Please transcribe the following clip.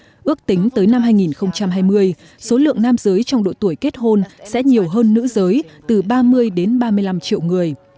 theo ước tính tới năm hai nghìn hai mươi số lượng nam giới trong độ tuổi kết hôn sẽ nhiều hơn nữ giới từ ba mươi đến ba mươi năm triệu người